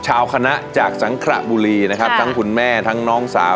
ชาวคณะจากสังขระบุรีนะครับทั้งคุณแม่ทั้งน้องสาว